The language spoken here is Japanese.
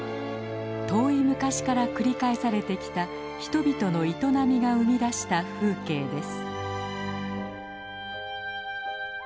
遠い昔から繰り返されてきた人々の営みが生み出した風景です。